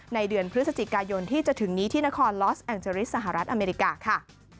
ในเดือนพฤศจิกายนที่จะถึงนี้ที่นครลอสแองเจริสสหรัฐอเมริกาค่ะ